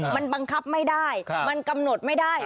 มันบังคับไม่ได้มันกำหนดไม่ได้